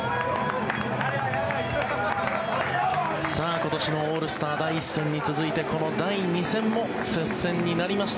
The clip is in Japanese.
今年のオールスター第１戦に続いてこの第２戦も接戦になりました。